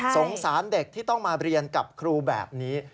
สงสารเด็กที่ต้องมาเรียนกับครูแบบนี้